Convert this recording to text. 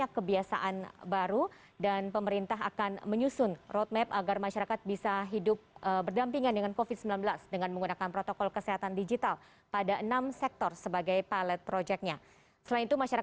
amin baik terima kasih pak alfonsus